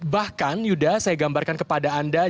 bahkan yuda saya gambarkan kepada anda